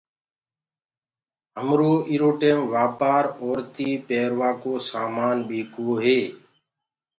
همرو ايرو ٽيم وآپآر اورتي پيروآ ڪو سآمآن ٻيڪوو هي